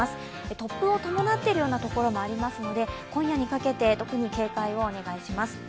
突風を伴っているようなところもありますので、今夜にかけて特に警戒をお願いします。